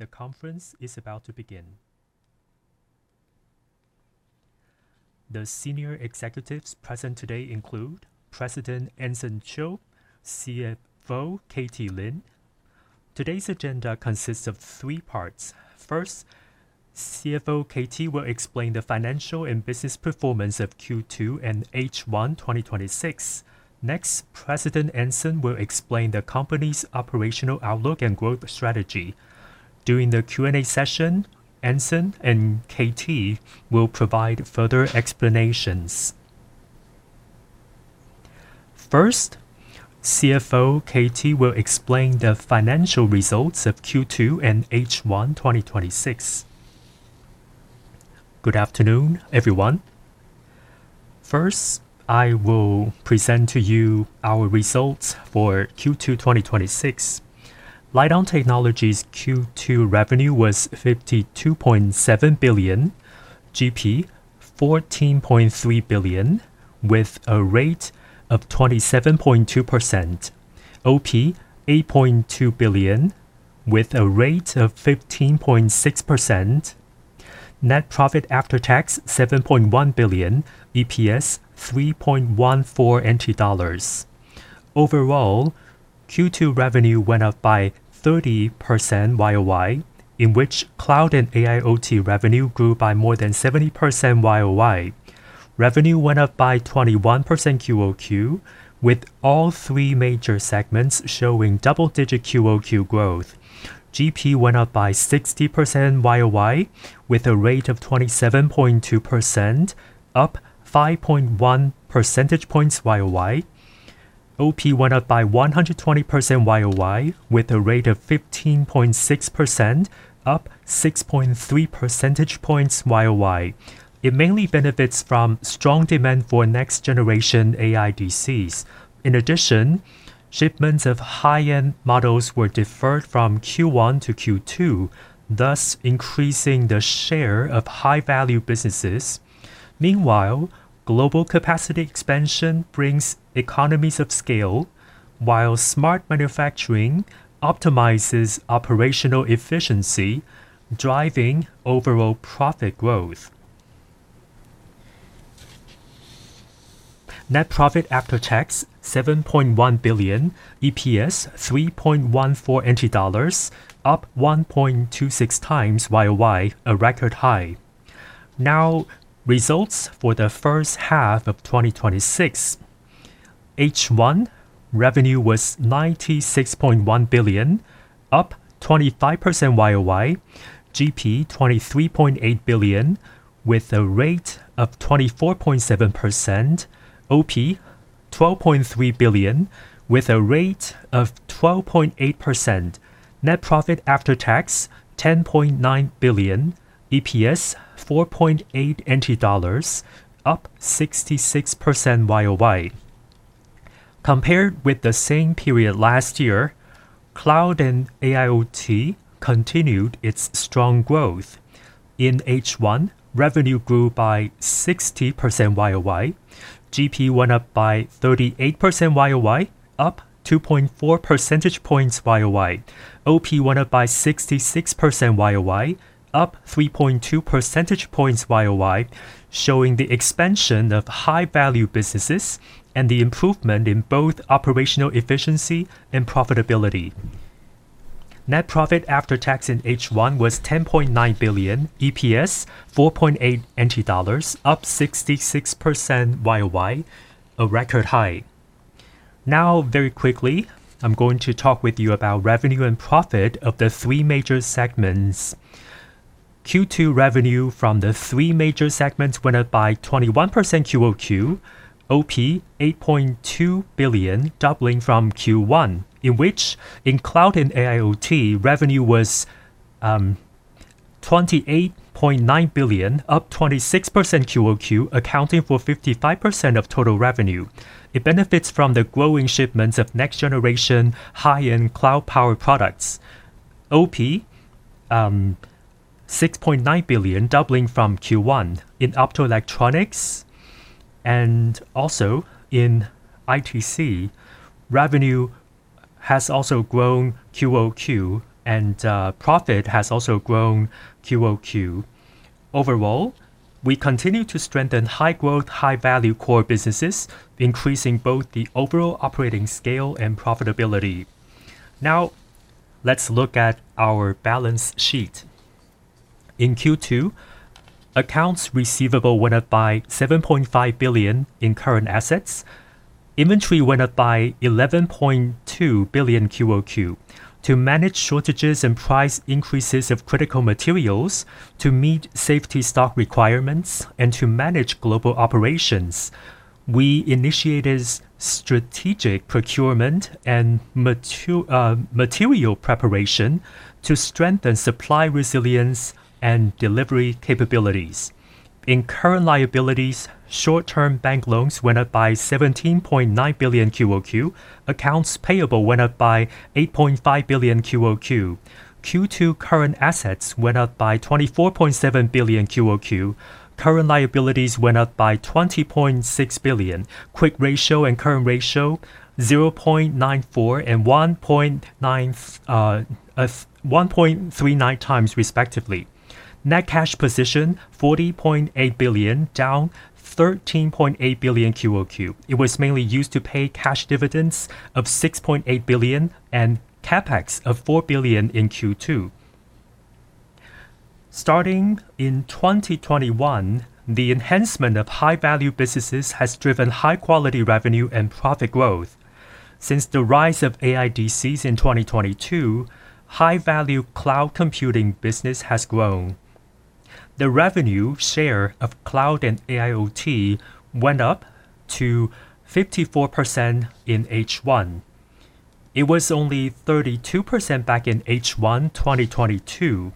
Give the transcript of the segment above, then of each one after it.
The conference is about to begin. The senior executives present today include President Anson Chiu, CFO K.T. Lim. Today's agenda consists of three parts. First, CFO K.T. will explain the financial and business performance of Q2 and H1 2026. Next, President Anson will explain the company's operational outlook and growth strategy. During the Q&A session, Anson and K.T. will provide further explanations. First, CFO K.T. will explain the financial results of Q2 and H1 2026. Good afternoon, everyone. First, I will present to you our results for Q2 2026. Lite-On Technology's Q2 revenue was 52.7 billion, GP 14.3 billion, with a rate of 27.2%. OP 8.2 billion, with a rate of 15.6%. Net profit after tax 7.1 billion, EPS 3.14 NT dollars. Overall, Q2 revenue went up by 30% year-over-year, in which Cloud and AIoT revenue grew by more than 70% YoY. Revenue went up by 21% quarter-over-quarter, with all three major segments showing double-digit quarter-over-quarter growth. GP went up by 60% YoY with a rate of 27.2%, up 5.1 percentage points YoY. OP went up by 120% YoY with a rate of 15.6%, up 6.3 percentage points YoY. It mainly benefits from strong demand for next generation AIDC. In addition, shipments of high-end models were deferred from Q1 to Q2, thus increasing the share of high-value businesses. Meanwhile, global capacity expansion brings economies of scale, while smart manufacturing optimizes operational efficiency, driving overall profit growth. Net profit after tax 7.1 billion, EPS 3.14 NT dollars, up 1.26 times YoY, a record high. Now, results for the first half of 2026. H1 revenue was 96.1 billion, up 25% YoY. GP 23.8 billion with a rate of 24.7%. OP 12.3 billion with a rate of 12.8%. Net profit after tax 10.9 billion, EPS 4.8 NT dollars, up 66% YoY. Compared with the same period last year, Cloud and AIoT continued its strong growth. In H1, revenue grew by 60% YoY. GP went up by 38% year-over-year, up 2.4 percentage points YoY. OP went up by 66% YoY, up 3.2 percentage points year-over-year, showing the expansion of high-value businesses and the improvement in both operational efficiency and profitability. Net profit after tax in H1 was 10.9 billion, EPS 4.8 dollars, up 66% YoY, a record high. Now very quickly, I'm going to talk with you about revenue and profit of the three major segments. Q2 revenue from the three major segments went up by 21% quarter-over-quarter, OP 8.2 billion, doubling from Q1, in which in Cloud and AIoT revenue was 28.9 billion, up 26% quarter-over-quarter, accounting for 55% of total revenue. It benefits from the growing shipments of next generation high-end cloud power products. OP 6.9 billion, doubling from Q1. In optoelectronics and also in ICT, revenue has also grown quarter-over-quarter and profit has also grown quarter-over-quarter. Overall, we continue to strengthen high growth, high value core businesses, increasing both the overall operating scale and profitability. Now, let's look at our balance sheet. In Q2, accounts receivable went up by 7.5 billion in current assets. Inventory went up by 11.2 billion QoQ. To manage shortages and price increases of critical materials, to meet safety stock requirements, and to manage global operations, we initiated strategic procurement and material preparation to strengthen supply resilience and delivery capabilities. In current liabilities, short-term bank loans went up by 17.9 billion QoQ. Accounts payable went up by 8.5 billion QoQ. Q2 current assets went up by 24.7 billion QoQ. Current liabilities went up by 20.6 billion. Quick ratio and current ratio 0.94 and 1.39 times respectively. Net cash position 40.8 billion, down 13.8 billion QoQ. It was mainly used to pay cash dividends of 6.8 billion and CapEx of 4 billion in Q2. Starting in 2021, the enhancement of high-value businesses has driven high-quality revenue and profit growth. Since the rise of AIDCs in 2022, high-value cloud computing business has grown. The revenue share of cloud and AIoT went up to 54% in H1. It was only 32% back in H1 2022.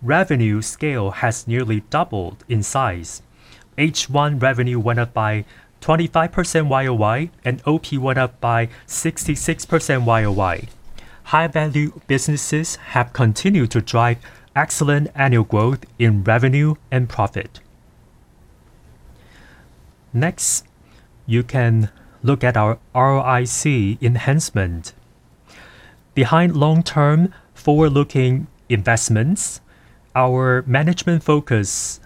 Revenue scale has nearly doubled in size. H1 revenue went up by 25% YoY, and OP went up by 66% YoY. High-value businesses have continued to drive excellent annual growth in revenue and profit. Next, you can look at our ROIC enhancement. Behind long-term forward-looking investments, our management focus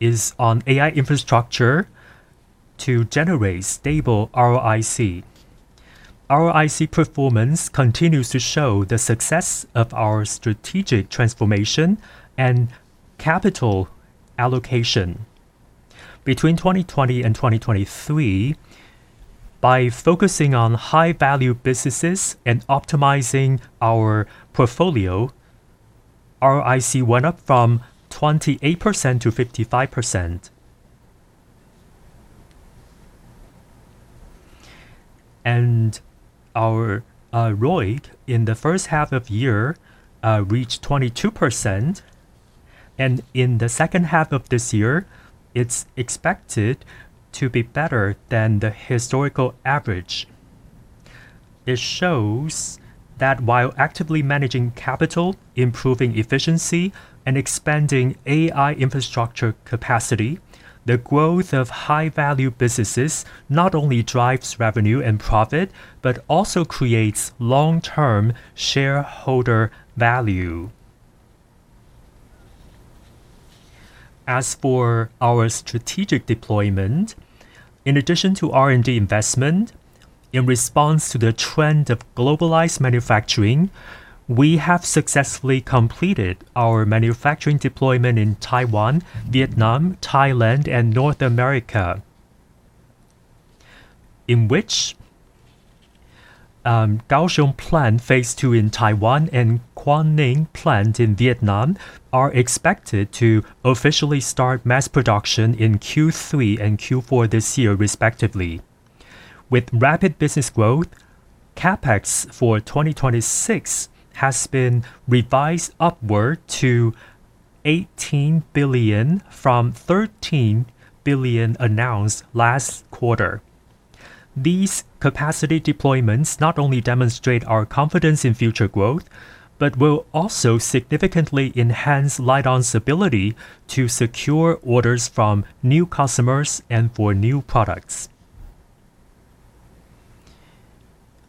is on AI infrastructure to generate stable ROIC. ROIC performance continues to show the success of our strategic transformation and capital allocation. Between 2020 and 2023, by focusing on high-value businesses and optimizing our portfolio, ROIC went up from 28%-55%. Our ROIC in the first half of the year reached 22%, and in the second half of this year, it's expected to be better than the historical average. It shows that while actively managing capital, improving efficiency, and expanding AI infrastructure capacity, the growth of high-value businesses not only drives revenue and profit but also creates long-term shareholder value. As for our strategic deployment, in addition to R&D investment, in response to the trend of globalized manufacturing, we have successfully completed our manufacturing deployment in Taiwan, Vietnam, Thailand, and North America. In which Kaohsiung Plant phase II in Taiwan and Quang Ninh Plant in Vietnam are expected to officially start mass production in Q3 and Q4 this year respectively. With rapid business growth, CapEx for 2026 has been revised upward to 18 billion from 13 billion announced last quarter. These capacity deployments not only demonstrate our confidence in future growth but will also significantly enhance Lite-On's ability to secure orders from new customers and for new products.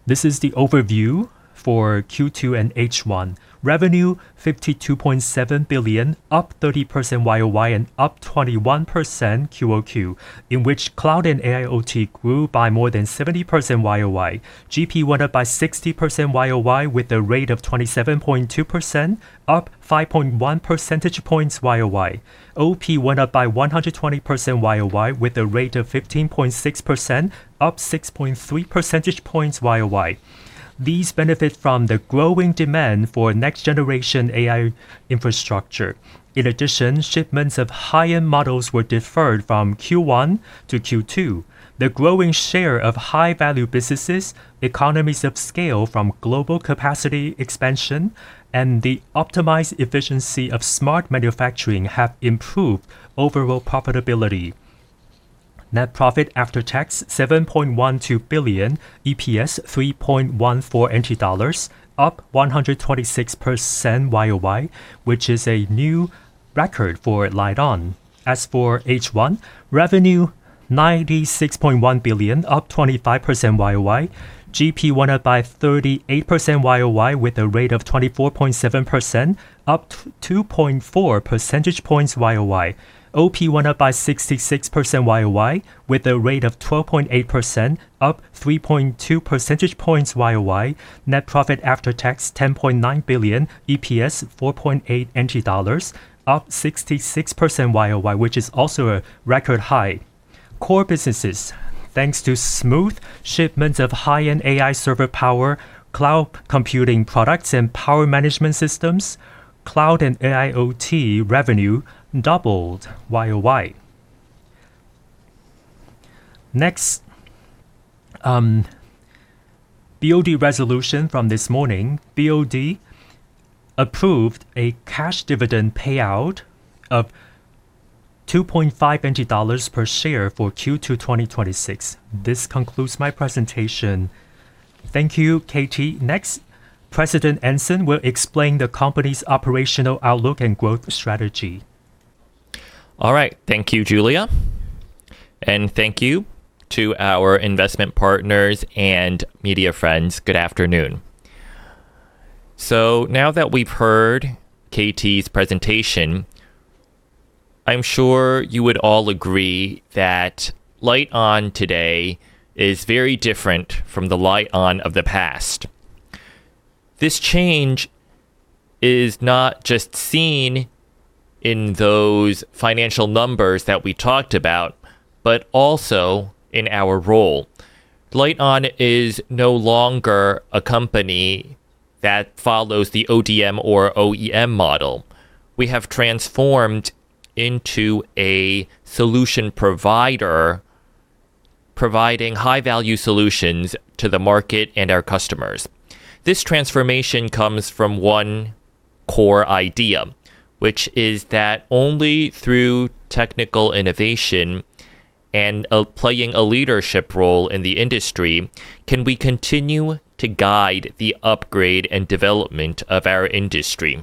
This is the overview for Q2 and H1. Revenue 52.7 billion, up 30% YoY and up 21% QoQ, in which cloud and AIoT grew by more than 70% YoY. GP went up by 60% YoY with a rate of 27.2%, up 5.1 percentage points YoY. OP went up by 120% YoY with a rate of 15.6%, up 6.3 percentage points YoY. These benefit from the growing demand for next-generation AI infrastructure. In addition, shipments of high-end models were deferred from Q1 to Q2. The growing share of high-value businesses, economies of scale from global capacity expansion, and the optimized efficiency of smart manufacturing have improved overall profitability. Net profit after tax 7.12 billion, EPS 3.14 NT dollars, up 126% YoY, which is a new record for Lite-On. As for H1, revenue 96.1 billion, up 25% YoY. GP went up by 38% YoY with a rate of 24.7%, up 2.4 percentage points YoY. OP went up by 66% YoY with a rate of 12.8%, up 3.2 percentage points YoY. Net profit after tax 10.9 billion, EPS 4.8 dollars, up 66% YoY, which is also a record high. Core businesses. Thanks to smooth shipments of high-end AI server power, cloud computing products, and power management systems, cloud and AIoT revenue doubled YoY. Next, BOD resolution from this morning, BOD approved a cash dividend payout of 2.5 dollars per share for Q2 2026. This concludes my presentation. Thank you, K.T. Next, President Anson will explain the company's operational outlook and growth strategy. All right. Thank you, Julia. Thank you to our investment partners and media friends. Good afternoon. Now that we've heard K.T.'s presentation, I'm sure you would all agree that Lite-On today is very different from the Lite-On of the past. This change is not just seen in those financial numbers that we talked about, but also in our role. Lite-On is no longer a company that follows the ODM or OEM model. We have transformed into a solution provider, providing high-value solutions to the market and our customers. This transformation comes from one core idea, which is that only through technical innovation and playing a leadership role in the industry can we continue to guide the upgrade and development of our industry.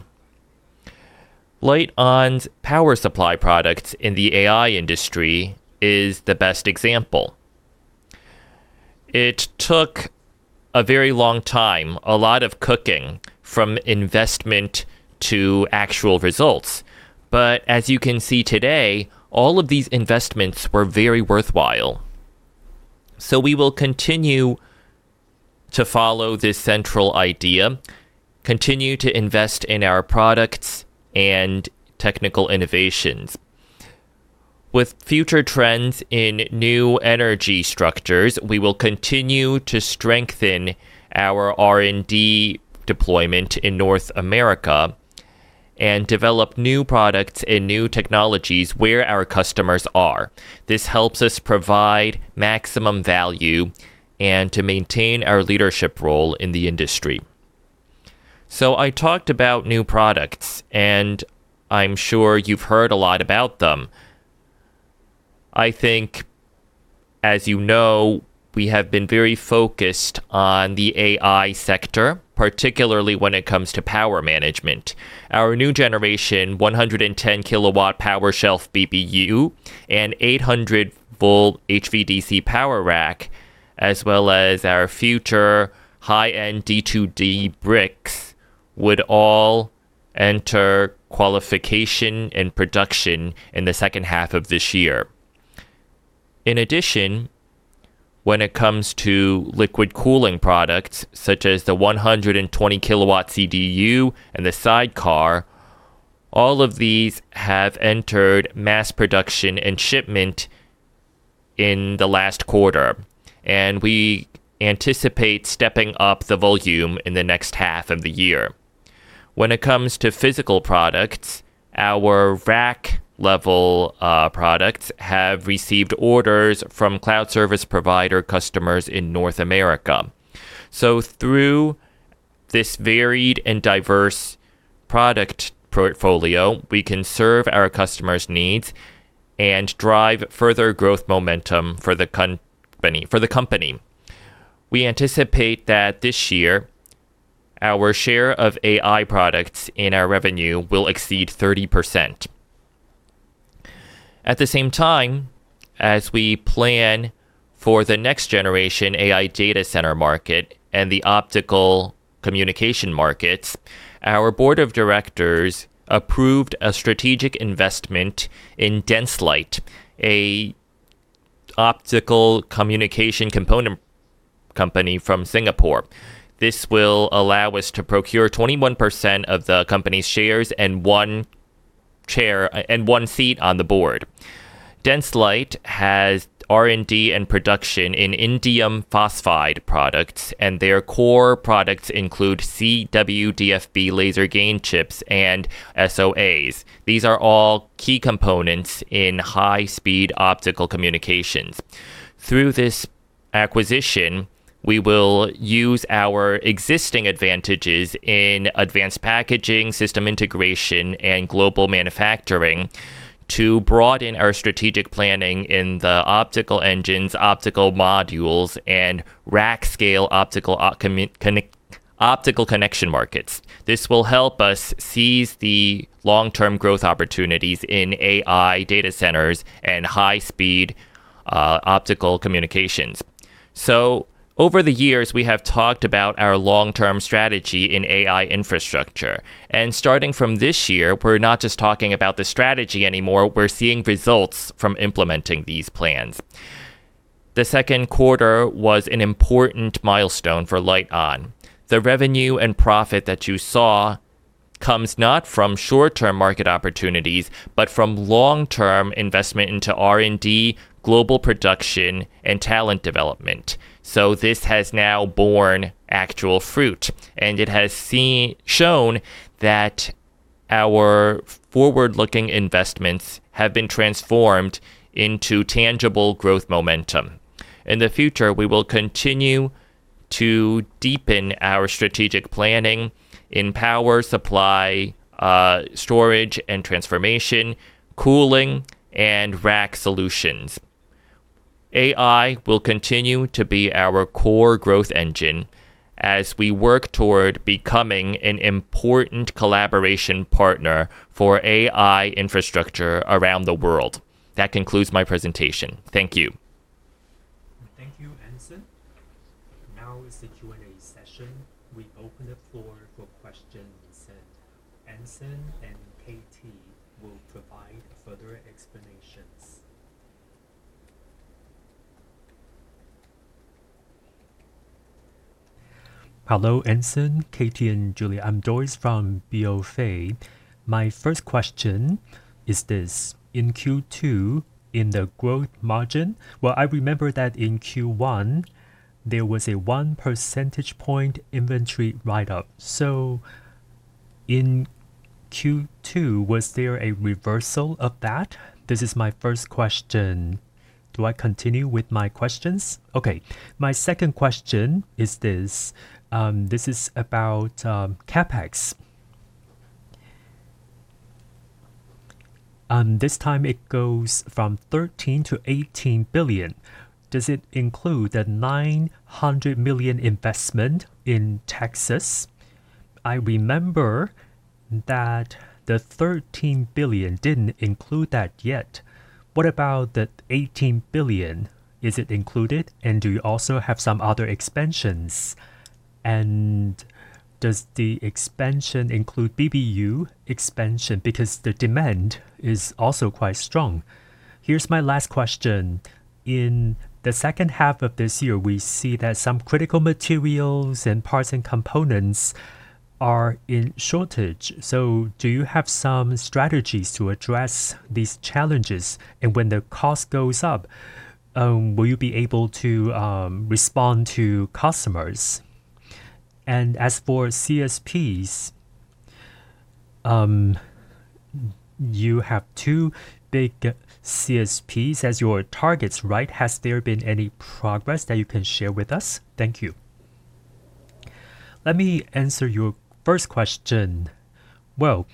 Lite-On's power supply products in the AI industry is the best example. It took a very long time, a lot of cooking, from investment to actual results. As you can see today, all of these investments were very worthwhile. We will continue to follow this central idea, continue to invest in our products and technical innovations. With future trends in new energy structures, we will continue to strengthen our R&D deployment in North America and develop new products and new technologies where our customers are. This helps us provide maximum value and to maintain our leadership role in the industry. I talked about new products, and I'm sure you've heard a lot about them. I think, as you know, we have been very focused on the AI sector, particularly when it comes to power management. Our new generation 110 kW Power Shelf PBU and 800 volt HVDC Power Rack, as well as our future high-end D2D Bricks, would all enter qualification and production in the second half of this year. In addition, when it comes to liquid cooling products, such as the 120 kW CDU and the Sidecar, all of these have entered mass production and shipment in the last quarter. We anticipate stepping up the volume in the next half of the year. When it comes to physical products, our rack level products have received orders from cloud service provider customers in North America. Through this varied and diverse product portfolio, we can serve our customers' needs and drive further growth momentum for the company. We anticipate that this year, our share of AI products in our revenue will exceed 30%. At the same time, as we plan for the next generation AI data center market and the optical communication markets, our board of directors approved a strategic investment in DenseLight, a optical communication component company from Singapore. This will allow us to procure 21% of the company's shares and one seat on the board. DenseLight has R&D and production in indium phosphide products, and their core products include CWDM laser gain chips and SOAs. These are all key components in high-speed optical communications. Through this acquisition, we will use our existing advantages in advanced packaging, system integration, and global manufacturing to broaden our strategic planning in the optical engines, optical modules, and rack scale optical connection markets. This will help us seize the long-term growth opportunities in AI data centers and high-speed optical communications. Over the years, we have talked about our long-term strategy in AI infrastructure. Starting from this year, we're not just talking about the strategy anymore, we're seeing results from implementing these plans. The second quarter was an important milestone for Lite-On. The revenue and profit that you saw comes not from short-term market opportunities, but from long-term investment into R&D, global production, and talent development. This has now borne actual fruit, and it has shown that Our forward-looking investments have been transformed into tangible growth momentum. In the future, we will continue to deepen our strategic planning in power supply, storage and transformation, cooling, and rack solutions. AI will continue to be our core growth engine as we work toward becoming an important collaboration partner for AI infrastructure around the world. That concludes my presentation. Thank you. Thank you, Anson. Now is the Q&A session. We open the floor for questions, and Anson and KT will provide further explanations. Hello, Anson, KT, and Julia. I'm Joyce from BofA. My first question is this. In Q2, in the gross margin. I remember that in Q1, there was a one percentage point inventory write-up. In Q2, was there a reversal of that? This is my first question. Do I continue with my questions? Okay. My second question is this. This is about CapEx. This time it goes from 13 billion-18 billion. Does it include the 900 million investment in Texas? I remember that the 13 billion didn't include that yet. What about the 18 billion? Is it included? Do you also have some other expansions? Does the expansion include BBU expansion? Because the demand is also quite strong. Here's my last question. In the second half of this year, we see that some critical materials and parts and components are in shortage. Do you have some strategies to address these challenges? When the cost goes up, will you be able to respond to customers? As for CSPs, you have two big CSPs as your targets, right? Has there been any progress that you can share with us? Thank you. Let me answer your first question. Well,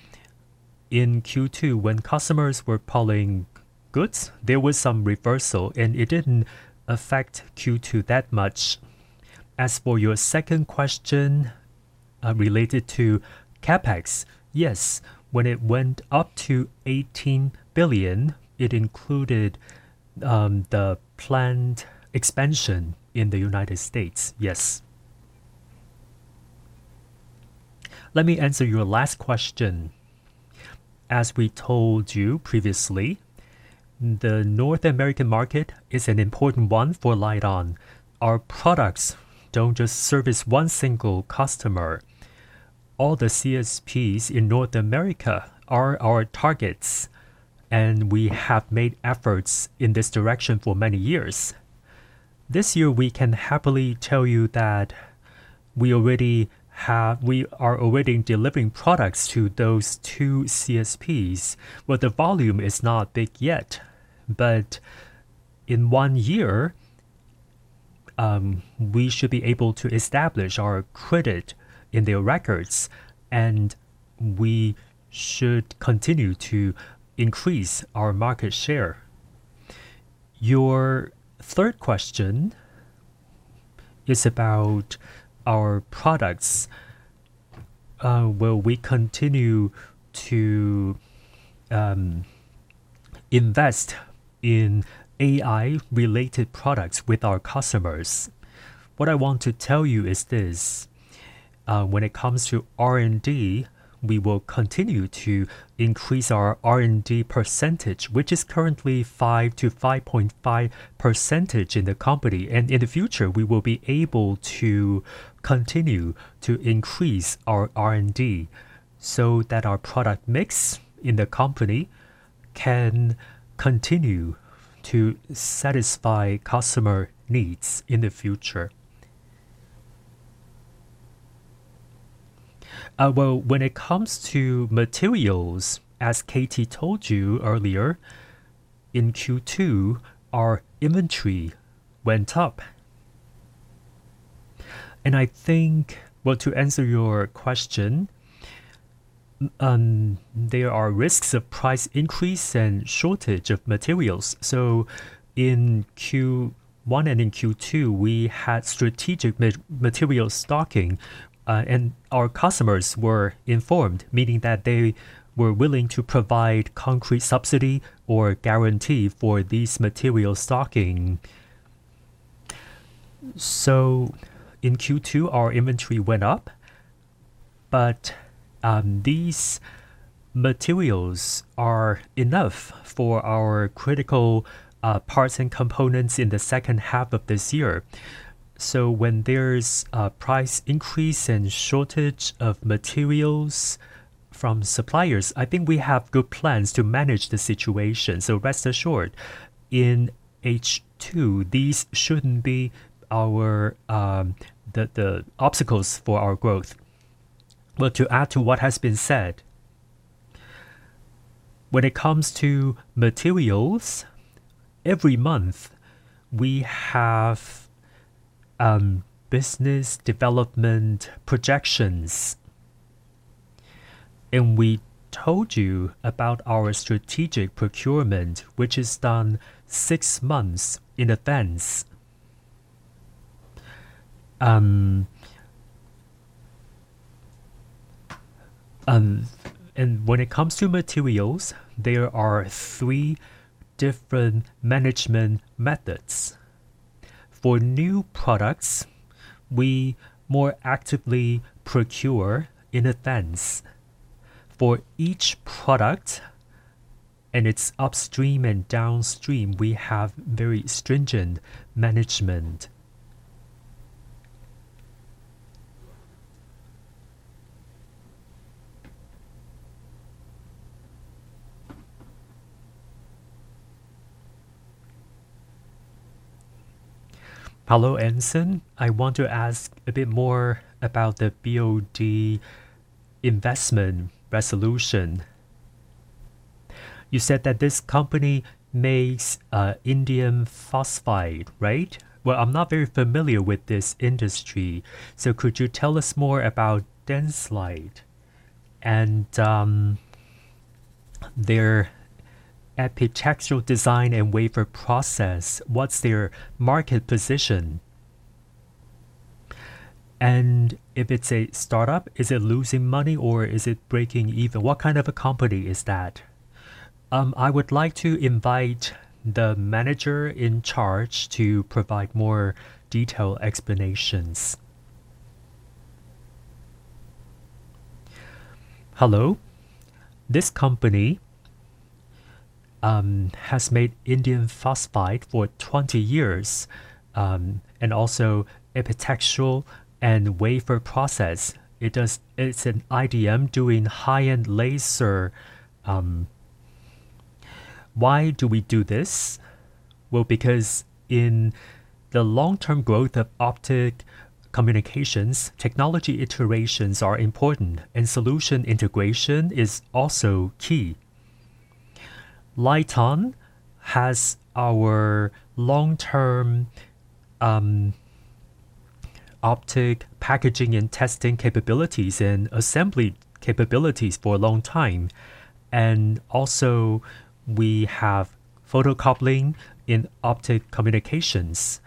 in Q2, when customers were pulling goods, there was some reversal, it didn't affect Q2 that much. As for your second question related to CapEx. Yes, when it went up to 18 billion, it included the planned expansion in the U.S.. Yes. Let me answer your last question. As we told you previously, the North American market is an important one for Lite-On. Our products don't just service one single customer. All the CSPs in North America are our targets, and we have made efforts in this direction for many years. This year, we can happily tell you that we are already delivering products to those two CSPs. The volume is not big yet. In one year, we should be able to establish our credit in their records, and we should continue to increase our market share. Your third question is about our products. Will we continue to invest in AI-related products with our customers? What I want to tell you is this. When it comes to R&D, we will continue to increase our R&D percentage, which is currently 5% to 5.5% in the company. In the future, we will be able to continue to increase our R&D so that our product mix in the company can continue to satisfy customer needs in the future. Well, when it comes to materials, as K.T. told you earlier, in Q2, our inventory went up. I think, well, to answer your question, there are risks of price increase and shortage of materials. In Q1 and in Q2, we had strategic material stocking, and our customers were informed, meaning that they were willing to provide concrete subsidy or guarantee for these material stocking. In Q2, our inventory went up, these materials are enough for our critical parts and components in the second half of this year. When there's a price increase and shortage of materials from suppliers, I think we have good plans to manage the situation. Rest assured, in H2, these shouldn't be the obstacles for our growth. To add to what has been said when it comes to materials, every month we have business development projections. We told you about our strategic procurement, which is done six months in advance. When it comes to materials, there are three different management methods. For new products, we more actively procure in advance. For each product and its upstream and downstream, we have very stringent management. Hello, Anson. I want to ask a bit more about the BOD investment resolution. You said that this company makes indium phosphide, right? Well, I'm not very familiar with this industry, so could you tell us more about DenseLight and their architectural design and wafer process? What's their market position? If it's a startup, is it losing money or is it breaking even? What kind of a company is that? I would like to invite the manager in charge to provide more detailed explanations. Hello. This company has made indium phosphide for 20 years, and also architectural and wafer process. It's an IDM doing high-end laser. Why do we do this? Well, because in the long-term growth of optic communications, technology iterations are important, and solution integration is also key. Lite-On has our long-term optic packaging and testing capabilities and assembly capabilities for a long time. Also we have photocoupling in optic communications.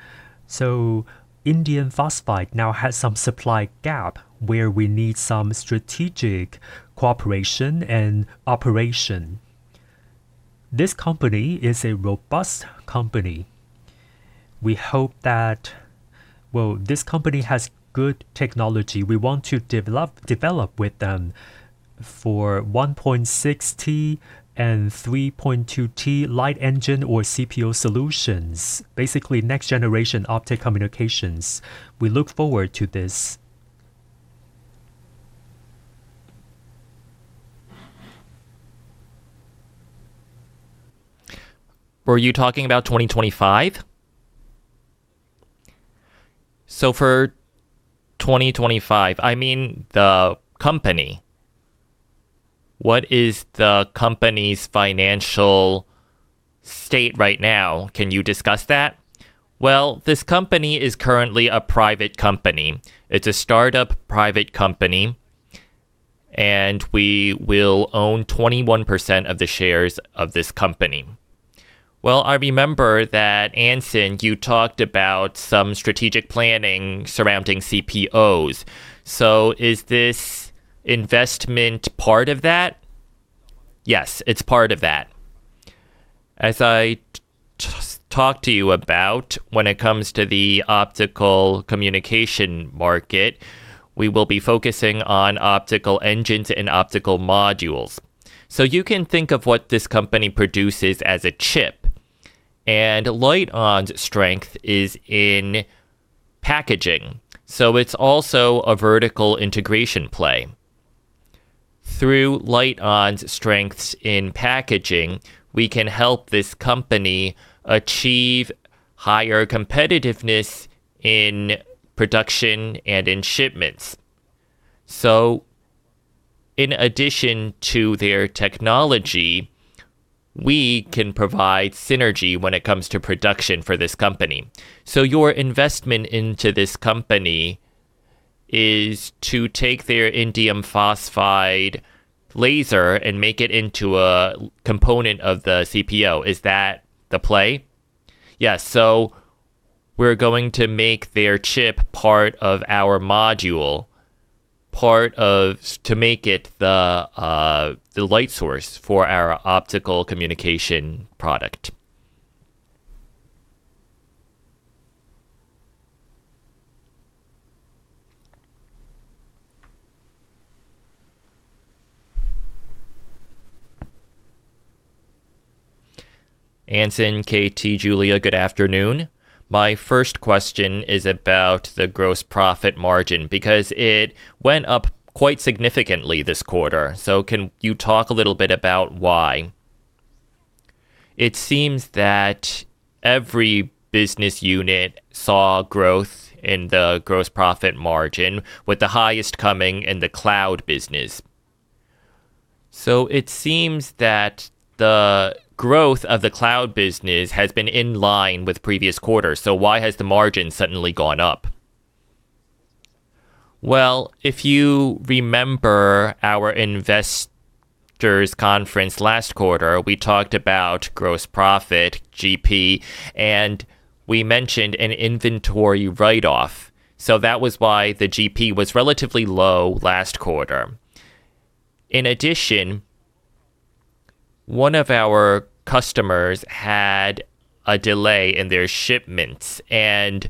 Indium phosphide now has some supply gap where we need some strategic cooperation and operation. This company is a robust company. We hope that Well, this company has good technology. We want to develop with them for 1.6T and 3.2T light engine or CPO solutions, basically next generation optic communications. We look forward to this. Were you talking about 2025? For 2025, I mean the company. What is the company's financial state right now? Can you discuss that? Well, this company is currently a private company. It's a startup private company, and we will own 21% of the shares of this company. Well, I remember that, Anson, you talked about some strategic planning surrounding CPOs. Is this investment part of that? Yes, it's part of that. As I talked to you about when it comes to the optical communication market, we will be focusing on optical engines and optical modules. You can think of what this company produces as a chip, and Lite-On's strength is in packaging. It's also a vertical integration play. Through Lite-On's strengths in packaging, we can help this company achieve higher competitiveness in production and in shipments. In addition to their technology, we can provide synergy when it comes to production for this company. Your investment into this company is to take their indium phosphide laser and make it into a component of the CPO. Is that the play? Yes. We're going to make their chip part of our module, to make it the light source for our optical communication product. Anson Chiu, K.T., Julia, good afternoon. My first question is about the gross profit margin, because it went up quite significantly this quarter. Can you talk a little bit about why? It seems that every business unit saw growth in the gross profit margin, with the highest coming in the cloud business. It seems that the growth of the cloud business has been in line with previous quarters. Why has the margin suddenly gone up? Well, if you remember our investors' conference last quarter, we talked about gross profit, GP, and we mentioned an inventory write-off. That was why the GP was relatively low last quarter. In addition, one of our customers had a delay in their shipments, and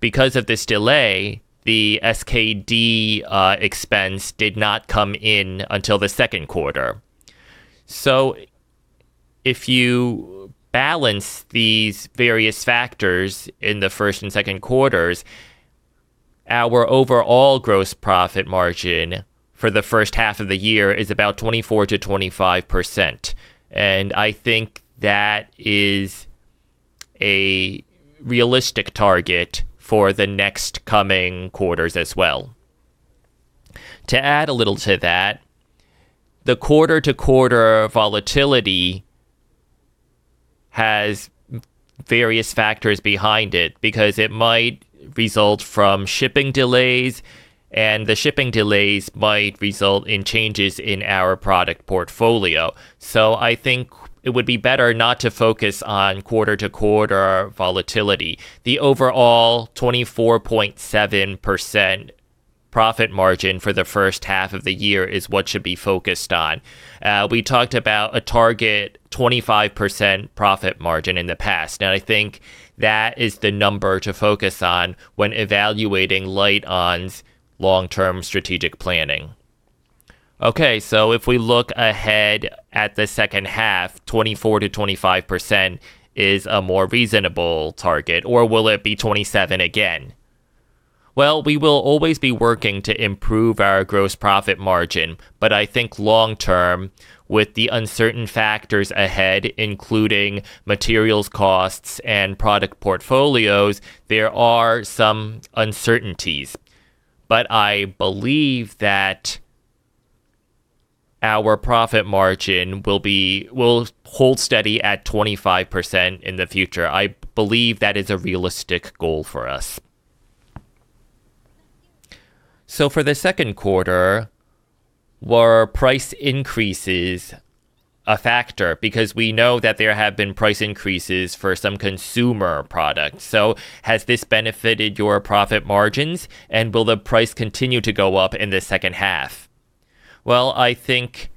because of this delay, the SKD expense did not come in until the second quarter. If you balance these various factors in the first and second quarters, our overall gross profit margin for the first half of the year is about 24%-25%, and I think that is a realistic target for the next coming quarters as well. To add a little to that, the quarter-to-quarter volatility has various factors behind it, because it might result from shipping delays, and the shipping delays might result in changes in our product portfolio. I think it would be better not to focus on quarter-to-quarter volatility. The overall 24.7% profit margin for the first half of the year is what should be focused on. We talked about a target 25% profit margin in the past, and I think that is the number to focus on when evaluating Lite-On's long-term strategic planning. If we look ahead at the second half, 24%-25% is a more reasonable target, or will it be 27% again? We will always be working to improve our gross profit margin, but I think long term, with the uncertain factors ahead, including materials costs and product portfolios, there are some uncertainties. I believe that our profit margin will hold steady at 25% in the future. I believe that is a realistic goal for us. For the second quarter, were price increases a factor? We know that there have been price increases for some consumer products. Has this benefited your profit margins, and will the price continue to go up in the second half? Well, I think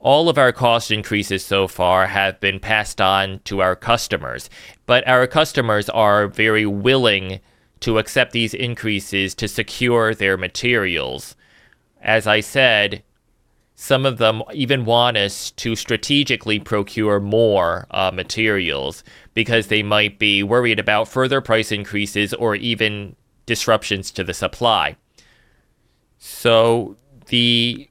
all of our cost increases so far have been passed on to our customers, but our customers are very willing to accept these increases to secure their materials. As I said, some of them even want us to strategically procure more materials because they might be worried about further price increases or even disruptions to the supply. The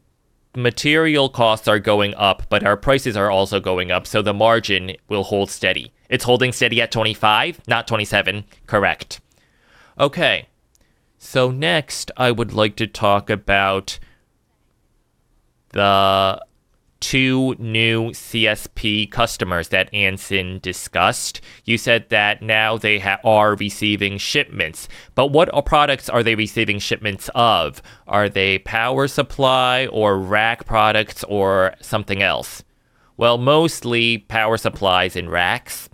material costs are going up, but our prices are also going up, the margin will hold steady. It's holding steady at 25%? Not 27%, correct. Next, I would like to talk about the two new CSP customers that Anson discussed. You said that now they are receiving shipments, but what products are they receiving shipments of? Are they power supply or rack products or something else? Mostly power supplies and racks.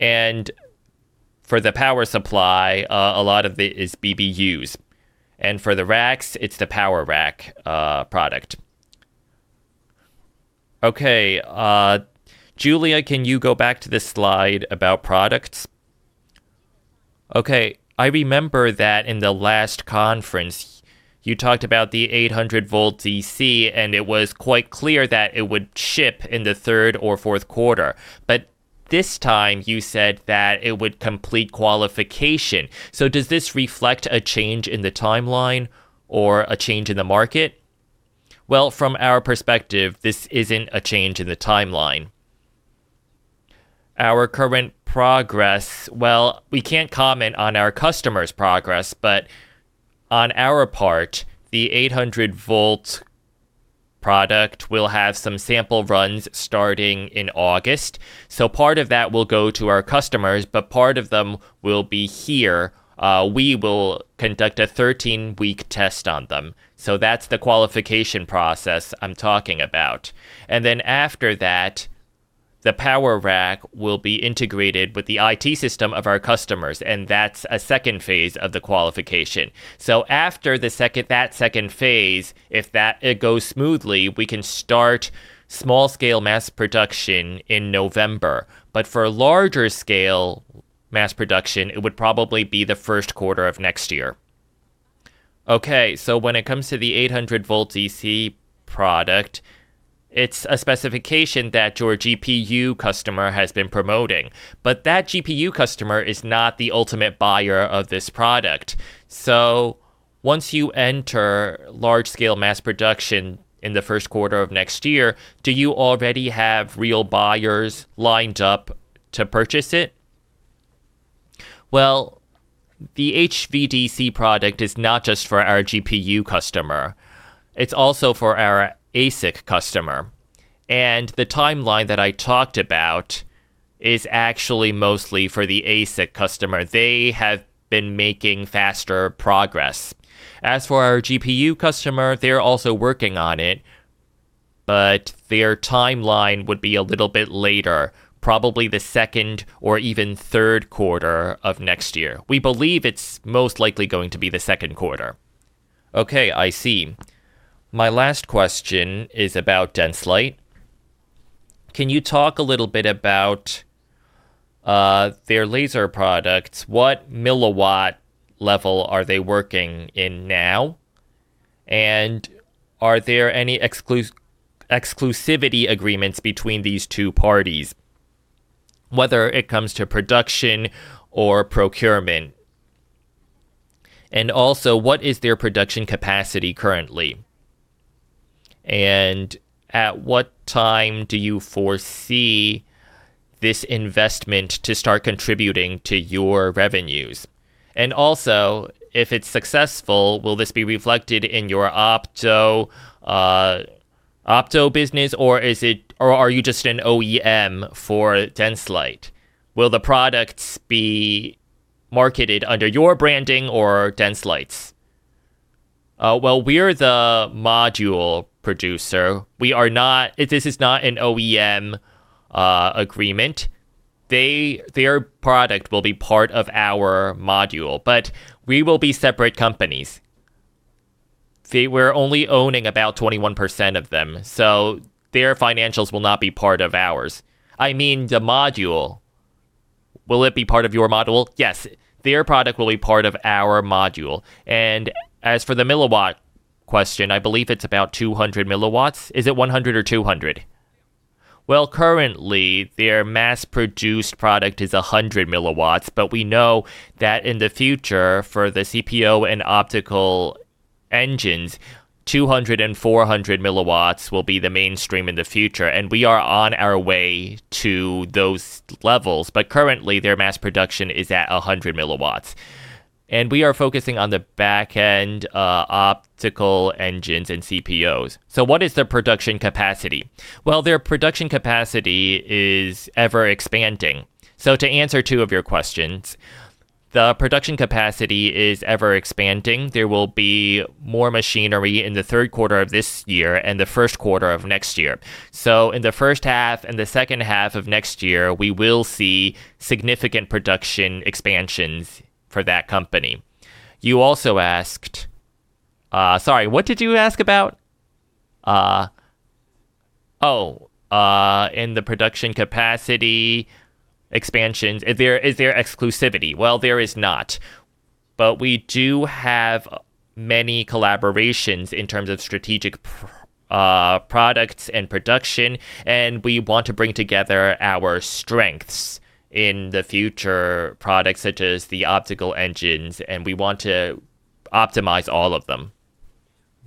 For the power supply, a lot of it is BBUs, and for the racks, it's the Power Rack product. Julia, can you go back to the slide about products? I remember that in the last conference, you talked about the 800V DC, and it was quite clear that it would ship in the third or fourth quarter. This time, you said that it would complete qualification. Does this reflect a change in the timeline or a change in the market? From our perspective, this isn't a change in the timeline. Our current progress, we can't comment on our customers' progress, but on our part, the 800V product will have some sample runs starting in August. Part of that will go to our customers, but part of them will be here. We will conduct a 13-week test on them. That's the qualification process I'm talking about. After that, the Power Rack will be integrated with the IT system of our customers, and that's a second phase of the qualification. After that second phase, if that goes smoothly, we can start small-scale mass production in November. For larger-scale mass production, it would probably be the first quarter of next year. Okay. When it comes to the 800V DC product, it's a specification that your GPU customer has been promoting. That GPU customer is not the ultimate buyer of this product. Once you enter large-scale mass production in the first quarter of next year, do you already have real buyers lined up to purchase it? Well, the HVDC product is not just for our GPU customer, it's also for our ASIC customer. The timeline that I talked about is actually mostly for the ASIC customer. They have been making faster progress. As for our GPU customer, they're also working on it, but their timeline would be a little bit later, probably the second or even third quarter of next year. We believe it's most likely going to be the second quarter. Okay, I see. My last question is about DenseLight. Can you talk a little bit about their laser products? What milliwatt level are they working in now? Are there any exclusivity agreements between these two parties, whether it comes to production or procurement? What is their production capacity currently? At what time do you foresee this investment to start contributing to your revenues? If it's successful, will this be reflected in your opto business, or are you just an OEM for DenseLight? Will the products be marketed under your branding or DenseLight's? Well, we're the module producer. This is not an OEM agreement. Their product will be part of our module, but we will be separate companies. We're only owning about 21% of them, so their financials will not be part of ours. I mean the module. Will it be part of your module? Yes. Their product will be part of our module. As for the milliwatt question, I believe it's about 200mW. Is it 100mW or 200mW? Well, currently, their mass-produced product is 100mW, but we know that in the future, for the CPO and optical engines, 200mW and 400mW will be the mainstream in the future, and we are on our way to those levels. Currently, their mass production is at 100 mW. We are focusing on the back-end optical engines and CPOs. What is their production capacity? Well, their production capacity is ever-expanding. To answer two of your questions, the production capacity is ever-expanding. There will be more machinery in the third quarter of this year and the first quarter of next year. In the first half and the second half of next year, we will see significant production expansions for that company. You also asked, what did you ask about? In the production capacity expansions, is there exclusivity? Well, there is not, but we do have many collaborations in terms of strategic products and production, and we want to bring together our strengths in the future products such as the optical engines, and we want to optimize all of them.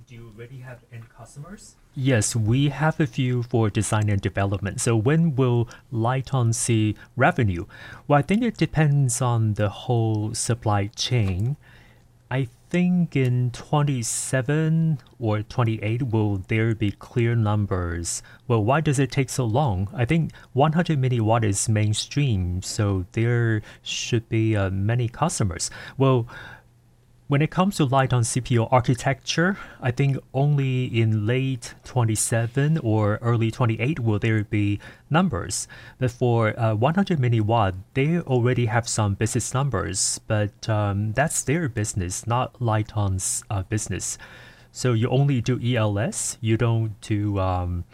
Do you already have end customers? Yes, we have a few for design and development. When will Lite-On see revenue? I think it depends on the whole supply chain. I think in 2027 or 2028 will there be clear numbers. Why does it take so long? I think 100mW is mainstream, so there should be many customers. When it comes to Lite-On CPO architecture, I think only in late 2027 or early 2028 will there be numbers. For 100Mw, they already have some business numbers, but that's their business, not Lite-On's business. You only do ELS, you don't do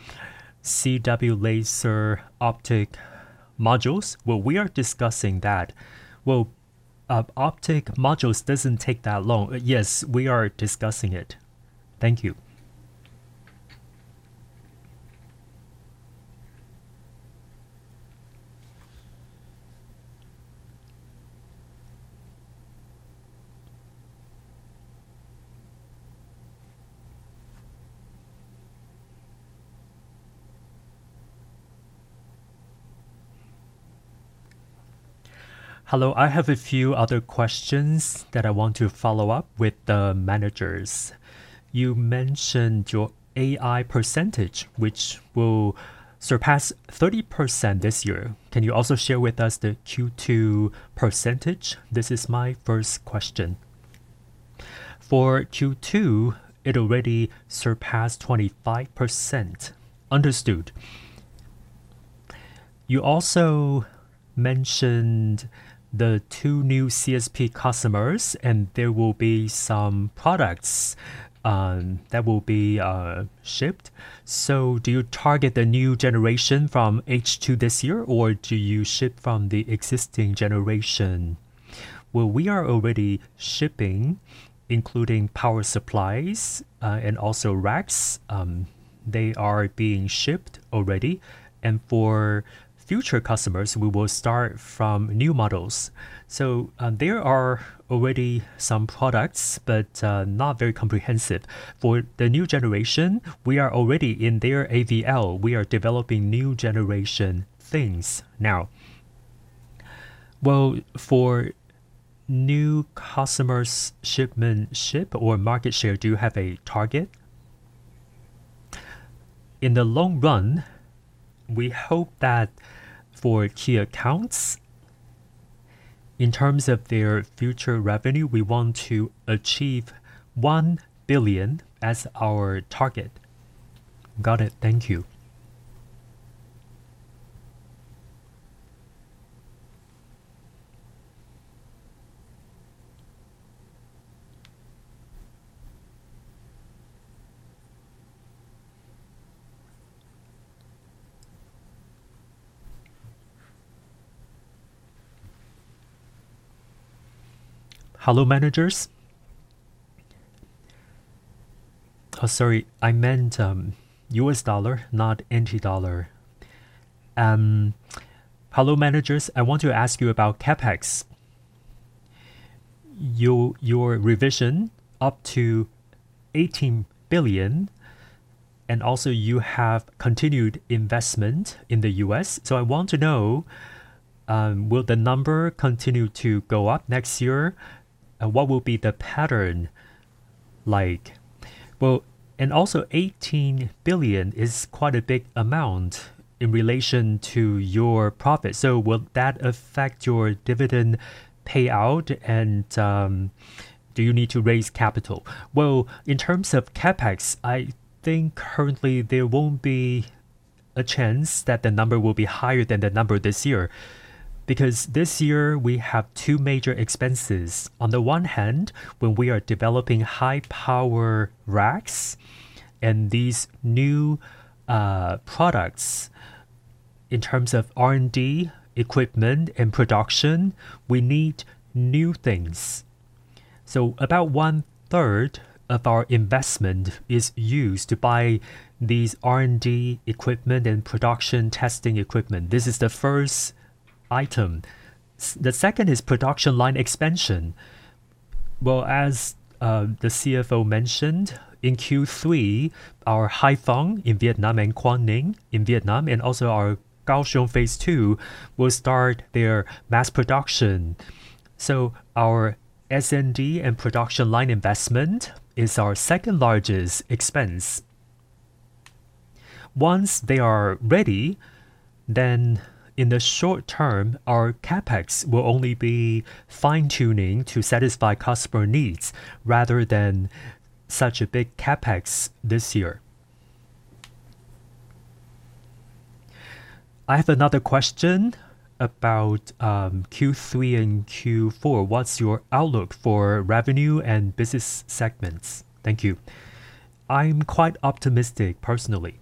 CW laser optic modules? We are discussing that. Optic modules doesn't take that long. Yes, we are discussing it. Thank you. Hello. I have a few other questions that I want to follow up with the managers. You mentioned your AI percentage, which will surpass 30% this year. Can you also share with us the Q2 percentage? This is my first question. For Q2, it already surpassed 25%. Understood. You also mentioned the two new CSP customers, and there will be some products that will be shipped. Do you target the new generation from H2 this year, or do you ship from the existing generation? Well, we are already shipping, including power supplies, and also racks. They are being shipped already, for future customers, we will start from new models. There are already some products, but not very comprehensive. For the new generation, we are already in their AVL. We are developing new generation things now. For new customers' shipment, ship or market share, do you have a target? In the long run, we hope that for key accounts, in terms of their future revenue, we want to achieve $1 billion as our target. Got it. Thank you. Hello, managers. Sorry. I meant U.S. dollar, not TWD. Hello, managers. I want to ask you about CapEx. Your revision up to 18 billion, you have continued investment in the U.S., I want to know, will the number continue to go up next year? What will be the pattern like? 18 billion is quite a big amount in relation to your profit. Will that affect your dividend payout and do you need to raise capital? In terms of CapEx, I think currently there won't be a chance that the number will be higher than the number this year. This year we have two major expenses. On the one hand, when we are developing high-Power Racks and these new products, in terms of R&D equipment and production, we need new things. About one-third of our investment is used to buy these R&D equipment and production testing equipment. This is the first item. The second is production line expansion. As the CFO mentioned, in Q3, our Hai Phong in Vietnam and Quang Ninh in Vietnam, and also our Kaohsiung phase II will start their mass production. Our S&D and production line investment is our second-largest expense. Once they are ready, in the short term, our CapEx will only be fine-tuning to satisfy customer needs rather than such a big CapEx this year. I have another question about Q3 and Q4. What's your outlook for revenue and business segments? Thank you. I'm quite optimistic personally.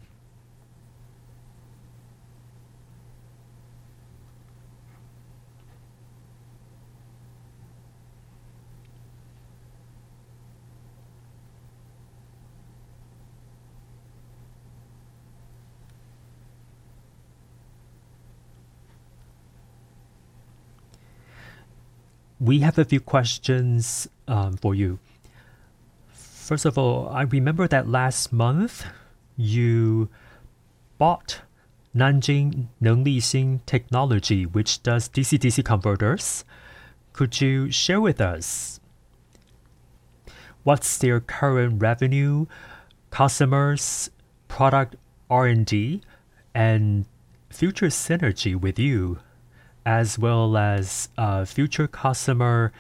We have a few questions for you. First of all, I remember that last month, you bought Nanjing Nenglixin Technology, which does DC-DC converters. Could you share with us what's their current revenue, customers, product R&D, and future synergy with you, as well as future customer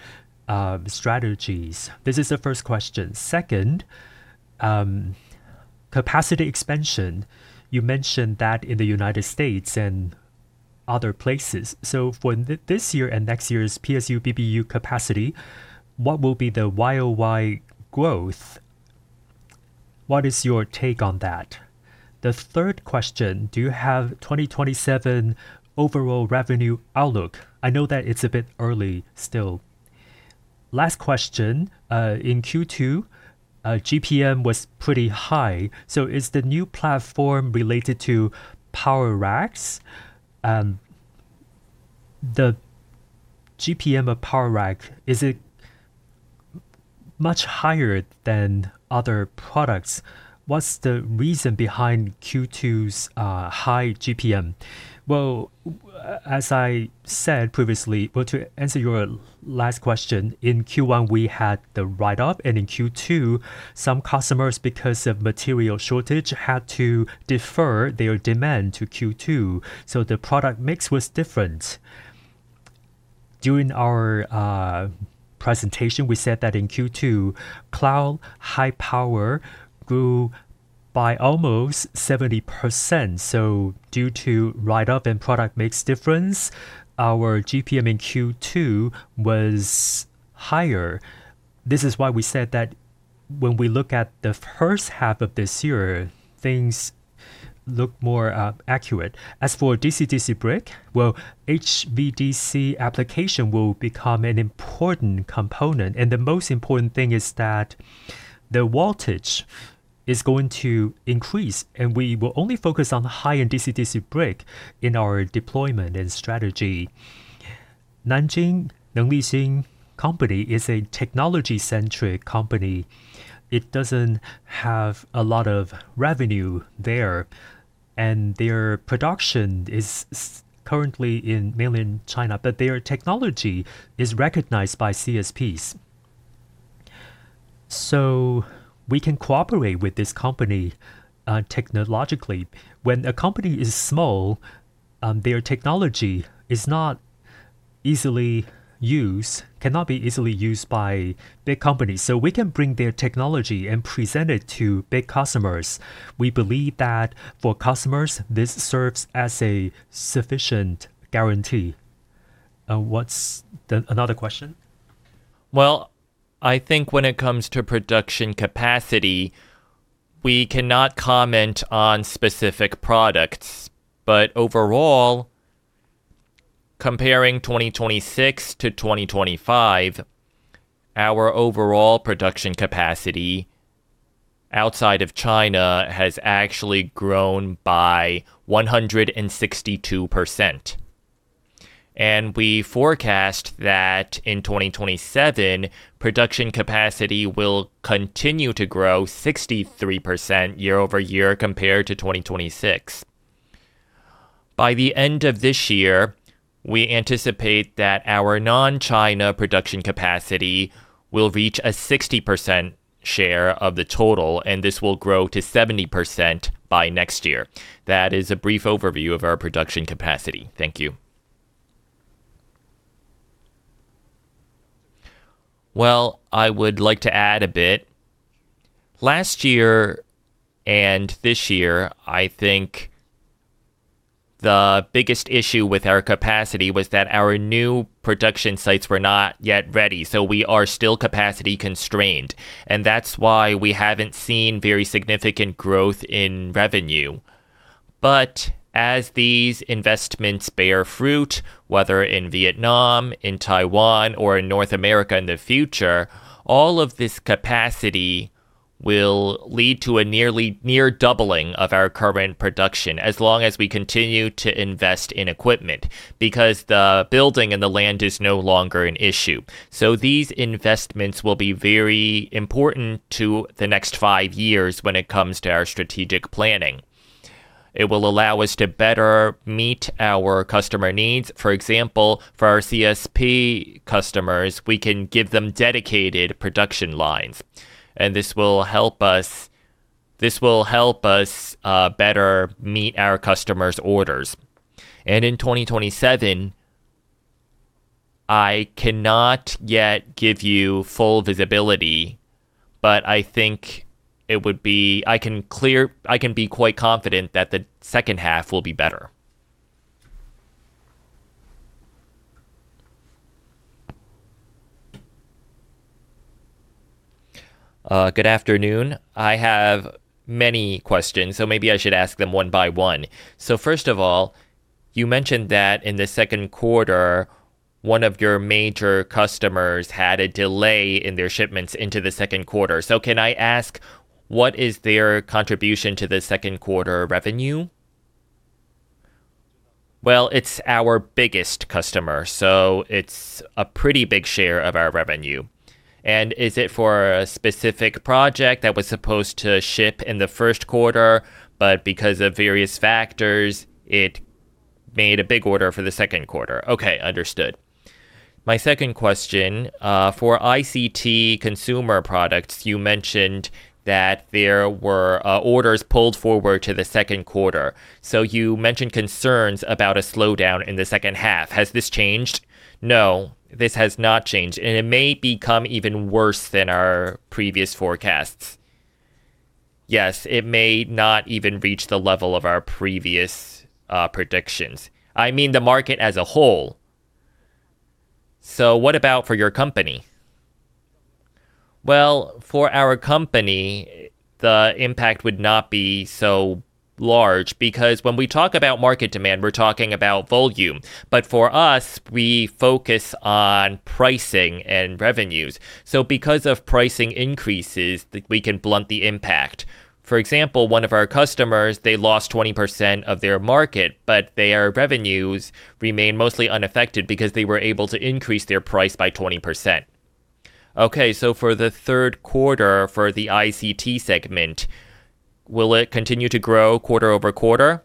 strategies? This is the first question. Second, capacity expansion. You mentioned that in the U.S. and other places. For this year and next year's PSU BBU capacity, what will be the year-over-year growth? What is your take on that? The third question, do you have 2027 overall revenue outlook? I know that it's a bit early still. Last question, in Q2, GPM was pretty high. Is the new platform related to Power Racks? The GPM of Power Rack, is it much higher than other products? What's the reason behind Q2's high GPM? As I said previously. To answer your last question, in Q1, we had the write-off, some customers, because of material shortage, had to defer their demand to Q2, the product mix was different. During our presentation, we said that in Q2, cloud high power grew by almost 70%. Due to write-off and product mix difference, our GPM in Q2 was higher. This is why we said that when we look at the first half of this year, things look more accurate. As for DC-DC brick, HVDC application will become an important component, and the most important thing is that the voltage is going to increase, and we will only focus on high-end DC-DC brick in our deployment and strategy. Nanjing Nenglixin Company is a technology-centric company. It doesn't have a lot of revenue there, and their production is currently mainly in China, but their technology is recognized by CSPs. We can cooperate with this company technologically. When a company is small, their technology cannot be easily used by big companies. We can bring their technology and present it to big customers. We believe that for customers, this serves as a sufficient guarantee. What's another question? Well, I think when it comes to production capacity, we cannot comment on specific products. Overall, comparing 2026 to 2025, our overall production capacity outside of China has actually grown by 162%. We forecast that in 2027, production capacity will continue to grow 63% year-over-year compared to 2026. By the end of this year, we anticipate that our non-China production capacity will reach a 60% share of the total, and this will grow to 70% by next year. That is a brief overview of our production capacity. Thank you. Well, I would like to add a bit. Last year and this year, I think the biggest issue with our capacity was that our new production sites were not yet ready, so we are still capacity constrained, and that's why we haven't seen very significant growth in revenue. As these investments bear fruit, whether in Vietnam, in Taiwan, or in North America in the future, all of this capacity will lead to a near doubling of our current production as long as we continue to invest in equipment because the building and the land is no longer an issue. These investments will be very important to the next five years when it comes to our strategic planning. It will allow us to better meet our customer needs. For example, for our CSP customers, we can give them dedicated production lines. This will help us better meet our customers' orders. In 2027, I cannot yet give you full visibility, but I can be quite confident that the second half will be better. Good afternoon. I have many questions, so maybe I should ask them one by one. First of all, you mentioned that in the second quarter, one of your major customers had a delay in their shipments into the second quarter. Can I ask, what is their contribution to the second quarter revenue? Well, it's our biggest customer, so it's a pretty big share of our revenue. Is it for a specific project that was supposed to ship in the first quarter, but because of various factors, it made a big order for the second quarter? Okay, understood. My second question, for IT & Consumer Electronics, you mentioned that there were orders pulled forward to the second quarter. You mentioned concerns about a slowdown in the second half. Has this changed? No, this has not changed, and it may become even worse than our previous forecasts. Yes, it may not even reach the level of our previous predictions.I mean the market as a whole. What about for your company? Well, for our company, the impact would not be so large because when we talk about market demand, we're talking about volume. For us, we focus on pricing and revenues. Because of pricing increases, we can blunt the impact. For example, one of our customers, they lost 20% of their market, but their revenues remain mostly unaffected because they were able to increase their price by 20%. Okay. For the third quarter, for the ICT segment, will it continue to grow quarter-over-quarter?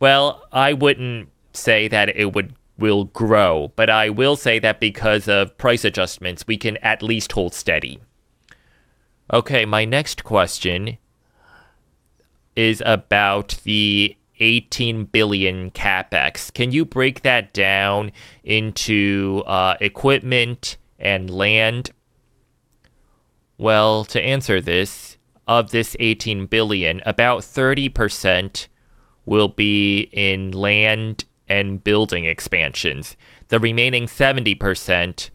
Well, I wouldn't say that it will grow, but I will say that because of price adjustments, we can at least hold steady. Okay. My next question is about the 18 billion CapEx. Can you break that down into equipment and land? Well, to answer this, of this 18 billion, about 30% will be in land and building expansions. The remaining 70%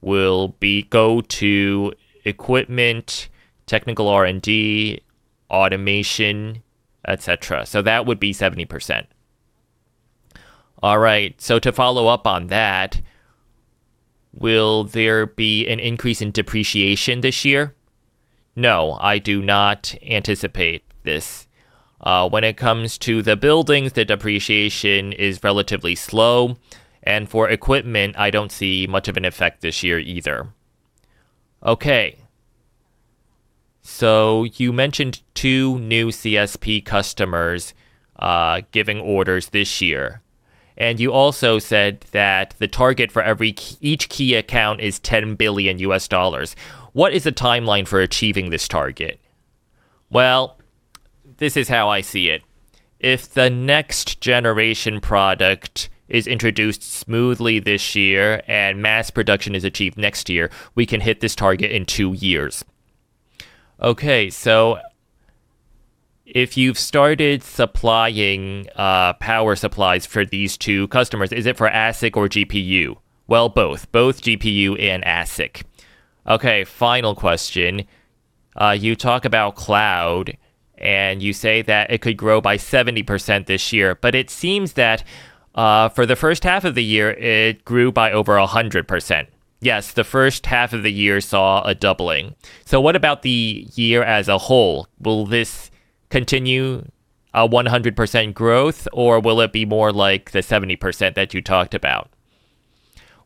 will go to equipment, technical R&D, automation, et cetera. That would be 70%. All right. To follow up on that, will there be an increase in depreciation this year? No, I do not anticipate this. When it comes to the buildings, the depreciation is relatively slow, and for equipment, I don't see much of an effect this year either. Okay. You mentioned two new CSP customers giving orders this year, and you also said that the target for each key account is $10 billion. What is the timeline for achieving this target? Well, this is how I see it. If the next generation product is introduced smoothly this year and mass production is achieved next year, we can hit this target in two years. Okay, so if you've started supplying power supplies for these two customers, is it for ASIC or GPU? Well, both. Both GPU and ASIC. Okay, final question. You talk about cloud, and you say that it could grow by 70% this year, but it seems that for the first half of the year, it grew by over 100%. Yes, the first half of the year saw a doubling. What about the year as a whole? Will this continue 100% growth, or will it be more like the 70% that you talked about?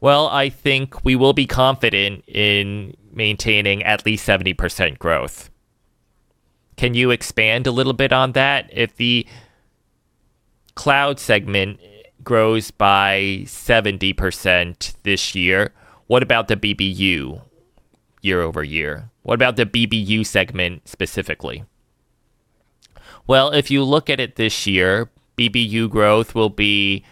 Well, I think we will be confident in maintaining at least 70% growth. Can you expand a little bit on that? If the cloud segment grows by 70% this year, what about the BBU year-over-year? What about the BBU segment specifically? Well, if you look at it this year, BBU growth will be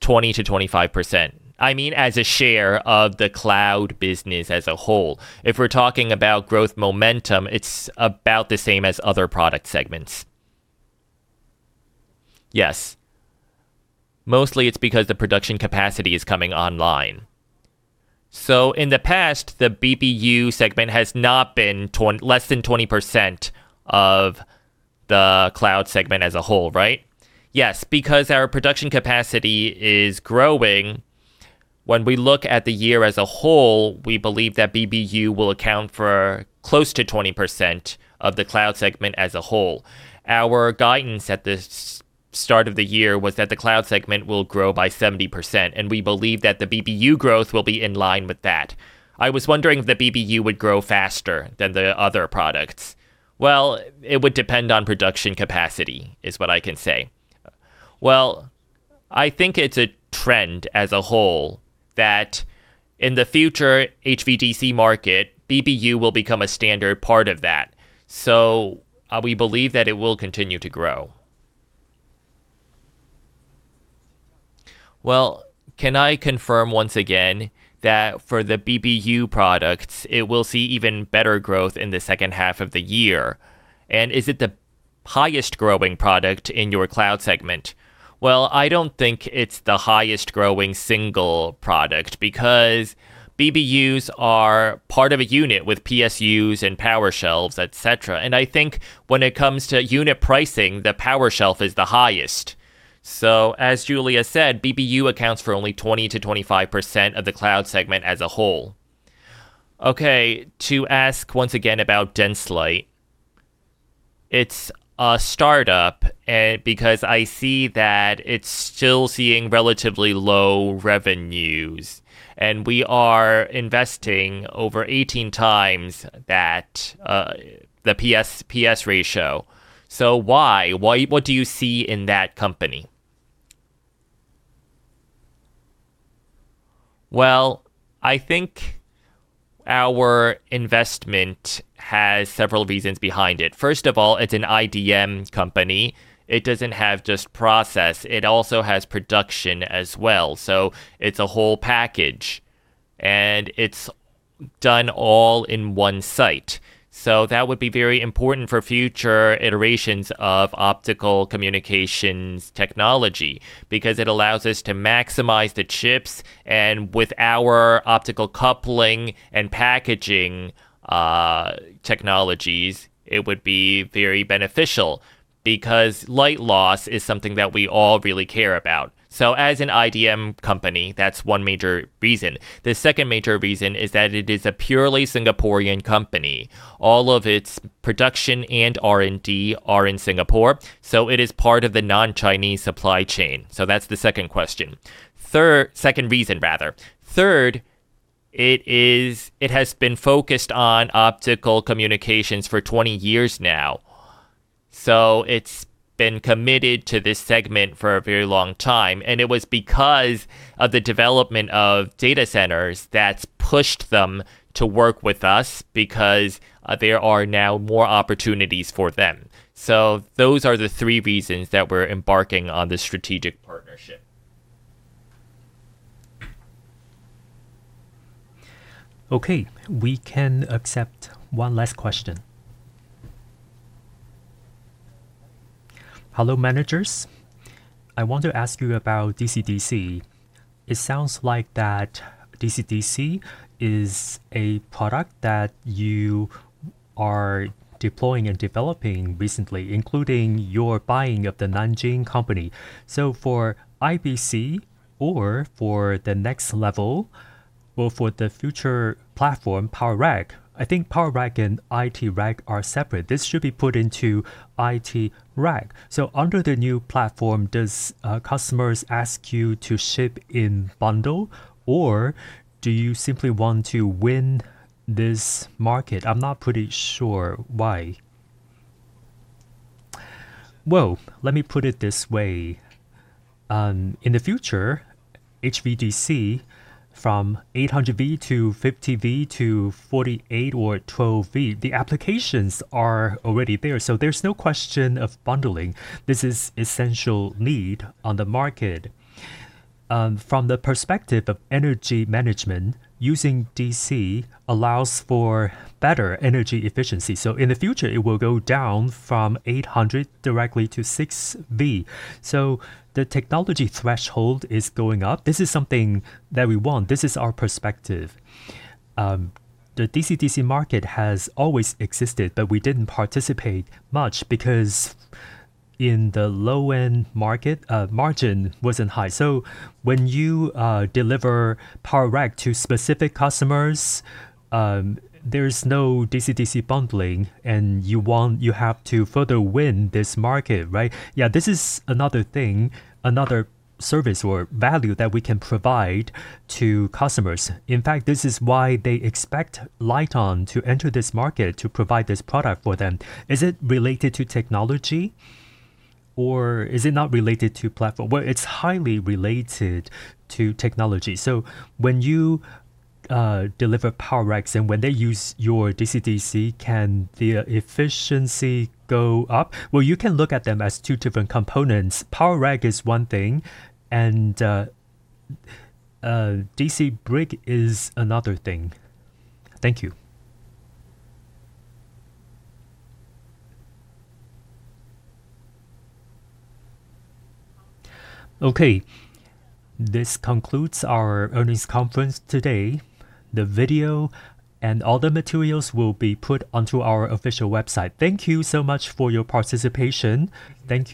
20%-25%. I mean, as a share of the cloud business as a whole. If we're talking about growth momentum, it's about the same as other product segments. Yes. Mostly it's because the production capacity is coming online. In the past, the BBU segment has not been less than 20% of the cloud segment as a whole, right? Yes, because our production capacity is growing, when we look at the year as a whole, we believe that BBU will account for close to 20% of the cloud segment as a whole. Our guidance at the start of the year was that the cloud segment will grow by 70%, and we believe that the BBU growth will be in line with that. I was wondering if the BBU would grow faster than the other products. It would depend on production capacity, is what I can say. I think it's a trend as a whole that in the future HVDC market, BBU will become a standard part of that. We believe that it will continue to grow. Can I confirm once again that for the BBU products, it will see even better growth in the second half of the year? Is it the highest growing product in your cloud segment? I don't think it's the highest growing single product because BBUs are part of a unit with PSUs and Power Shelves, et cetera. I think when it comes to unit pricing, the Power Shelf is the highest. As Julia said, BBU accounts for only 20%-25% of the cloud segment as a whole. To ask once again about DenseLight. It's a startup, because I see that it's still seeing relatively low revenues, and we are investing over 18 times the PS ratio. Why? What do you see in that company? Well, I think our investment has several reasons behind it. First of all, it's an IDM company. It doesn't have just process, it also has production as well. It's a whole package, and it's done all in one site. That would be very important for future iterations of optical communications technology because it allows us to maximize the chips, and with our optical coupling and packaging technologies, it would be very beneficial because light loss is something that we all really care about. As an IDM company, that's one major reason. The second major reason is that it is a purely Singaporean company. All of its production and R&D are in Singapore, it is part of the non-Chinese supply chain. That's the second question. Second reason rather. Third, it has been focused on optical communications for 20 years now, it's been committed to this segment for a very long time. It was because of the development of data centers that's pushed them to work with us because there are now more opportunities for them. Those are the three reasons that we're embarking on this strategic partnership. Okay, we can accept one last question. Hello, managers. I want to ask you about DC-DC. It sounds like that DC-DC is a product that you are deploying and developing recently, including your buying of the Nanjing company. For IBC or for the next level, for the future platform, Power Rack, I think Power Rack and IT Rack are separate. This should be put into IT Rack. Under the new platform, does customers ask you to ship in bundle, or do you simply want to win this market? I'm not pretty sure why. Let me put it this way. In the future, HVDC from 800V to 50V to 48V or 12V, the applications are already there's no question of bundling. This is essential need on the market. From the perspective of energy management, using DC allows for better energy efficiency. In the future, it will go down from 800 directly to 6 V. The technology threshold is going up. This is something that we want. This is our perspective. The DC-DC market has always existed, but we didn't participate much because in the low-end market, margin wasn't high. When you deliver Power Rack to specific customers, there's no DC-DC bundling, and you have to further win this market, right? Yeah, this is another thing, another service or value that we can provide to customers. In fact, this is why they expect Lite-On to enter this market to provide this product for them. Is it related to technology or is it not related to platform? Well, it's highly related to technology. When you deliver Power Racks and when they use your DC-DC, can the efficiency go up? Well, you can look at them as two different components. Power Rack is one thing and DC brick is another thing. Thank you. Okay. This concludes our earnings conference today. The video and all the materials will be put onto our official website. Thank you so much for your participation. Thanks